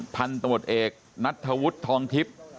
พันธุ์ประบฏเอกนัตถวุธทองทิพย์